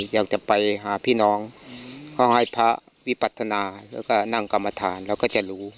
อยากจะไปหาพี่น้องเขาให้พระวิปัฒนาแล้วก็นั่งกรรมฐานเราก็จะรู้